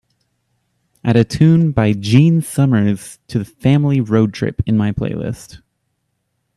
Add a tune by gene summers to family road trip in my playlist